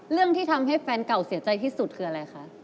เรื่องที่ทำให้แฟนเก่าเสียใจที่สุดคืออะไรคะ